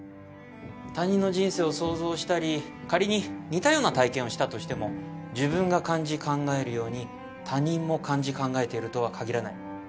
他人の人生を想像したり仮に似たような体験をしたとしても自分が感じ考えるように他人も感じ考えているとは限らない。